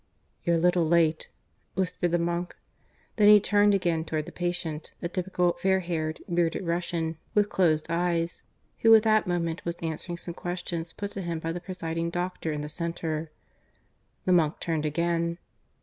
"You're a little late," whispered the monk. Then he turned again towards the patient, a typical fair haired, bearded Russian with closed eyes, who at that moment was answering some question put to him by the presiding doctor in the centre. The monk turned again.